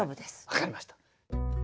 分かりました。